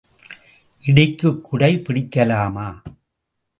இடிக்குக் குடை பிடிக்கலாமா?